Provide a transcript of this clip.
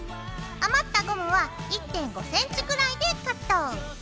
余ったゴムは１．５ｃｍぐらいでカット。